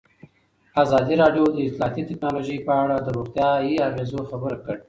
ازادي راډیو د اطلاعاتی تکنالوژي په اړه د روغتیایي اغېزو خبره کړې.